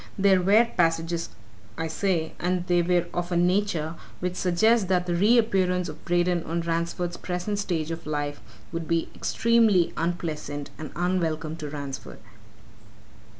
There were passages, I say, and they were of a nature which suggests that the re appearance of Braden on Ransford's present stage of life would be, extremely unpleasant and unwelcome to Ransford."